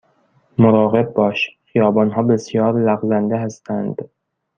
مراقب باش، خیابان ها بسیار لغزنده هستند.